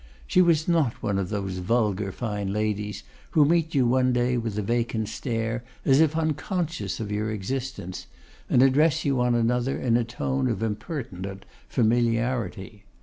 She was not one of those vulgar fine ladies who meet you one day with a vacant stare, as if unconscious of your existence, and address you on another in a tone of impertinent familiarity.